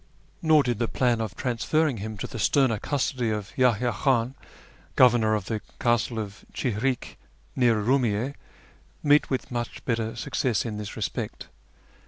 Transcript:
Nor did the plan of transferrin q; him to the sterner custody of Yahya Khan, governor of the castle of Chihrik, near Urumiyye, meet with much better success in this respect.